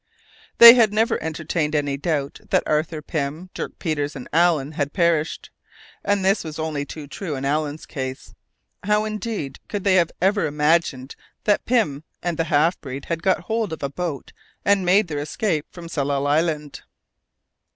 They had never entertained any doubt that Arthur Pym, Dirk Peters, and Allen had perished, and this was only too true in Allen's case. How, indeed, could they ever have imagined that Pym and the half breed had got hold of a boat and made their escape from Tsalal Island?